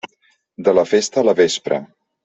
De la festa, la vespra.